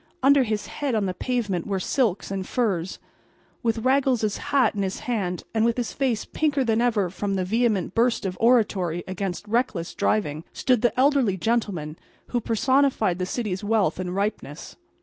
Under his head on the pavement were silks and furs. With Raggles's hat in his hand and with his face pinker than ever from a vehement burst of oratory against reckless driving, stood the elderly gentleman who personified the city's wealth and ripeness.